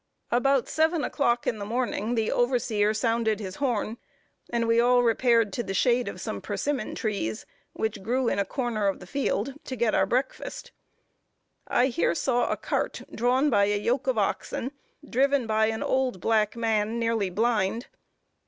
About seven o'clock in the morning the overseer sounded his horn; and we all repaired to the shade of some persimmon trees, which grew in a corner of the field, to get our breakfast. I here saw a cart drawn by a yoke of oxen, driven by an old black man, nearly blind.